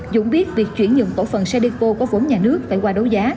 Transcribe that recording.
dũng biết việc chuyển nhượng cổ phần sadeco có vốn nhà nước phải qua đấu giá